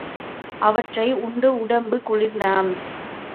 அவற்றை உண்டு உடம்பு குளிர்ந்தான்.